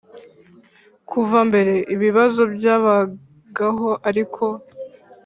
kuva mbere ibibazo byabagaho ariko